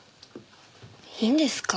いいんですか？